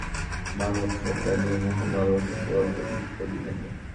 আমার ধারণা, মাতৃপ্রেমের পরেই মানবসন্তানের নির্মোহ ভালোবাসা কেবল প্রকৃতির প্রতিই থাকে।